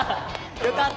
よかった。